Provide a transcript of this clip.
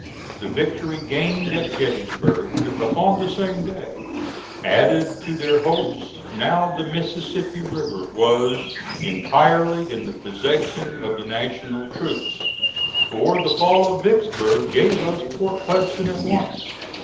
The victory gained at Gettysburg, upon the same day, added to their hopes. Now the Mississippi River was entirely in the possession of the National troops; for the fall of Vicksburg gave us Port Hudson at once.